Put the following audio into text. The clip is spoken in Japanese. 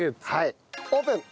オープン！